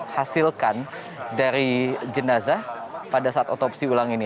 hasilkan dari jenazah pada saat otopsi ulang ini